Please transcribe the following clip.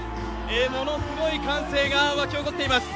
ものすごい歓声が沸き起こっています。